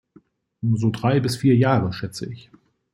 So drei bis vier Jahre, schätze ich.